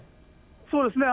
そうですね。